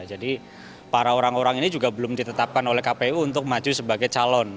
jadi para orang orang ini juga belum ditetapkan oleh kpu untuk maju sebagai calon